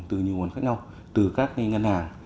từ nhiều nguồn khác nhau từ các ngân hàng